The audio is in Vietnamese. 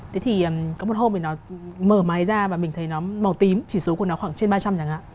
thế thì có một hôm mình nó mở máy ra và mình thấy nó màu tím chỉ số của nó khoảng trên ba trăm linh chẳng hạn